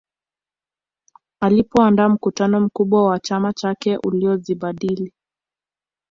Alipoandaa mkutano mkubwa wa chama chake uliozibadili